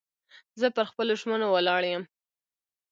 زه پر خپلو ژمنو ولاړ یم.